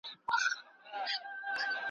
څو شېبو هوښیاری سره ساه ورکړي `